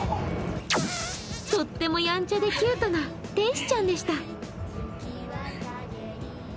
とってもやんちゃでキュートな天使ちゃんでした。